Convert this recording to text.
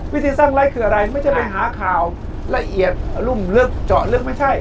วิธีสร้างไลค์คืออะไรไม่ใช่ไปหาข่าวละเอียดรุ่มลึกเจาะลึกไม่ใช่